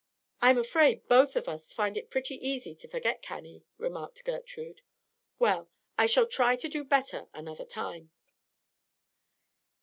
"I'm afraid both of us find it pretty easy to forget Cannie," remarked Gertrude. "Well, I shall try to do better another time."